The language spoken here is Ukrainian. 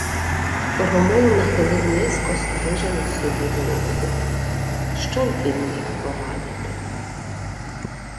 Ромул нахилив низько стрижену сиву голову. Що б він міг порадити?